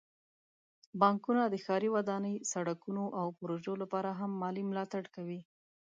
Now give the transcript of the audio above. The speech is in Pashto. بانکونه د ښاري ودانۍ، سړکونو، او پروژو لپاره هم مالي ملاتړ کوي.